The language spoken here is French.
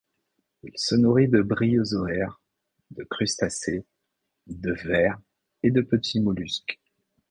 Il se nourrit de bryozoaires, de crustacés, de vers et de petits mollusques.